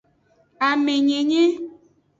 Amenyenye.